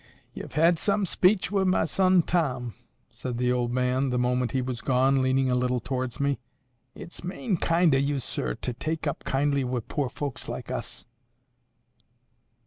"Ye've had some speech wi' my son Tom," said the old man, the moment he was gone, leaning a little towards me. "It's main kind o' you, sir, to take up kindly wi' poor folks like us."